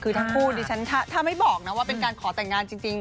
คือทั้งคู่ดิฉันถ้าไม่บอกนะว่าเป็นการขอแต่งงานจริง